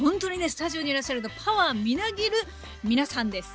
スタジオにいらっしゃるパワーみなぎる皆さんです。